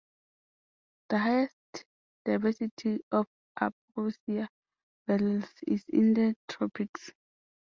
The highest diversity of ambrosia beetles is in the tropics.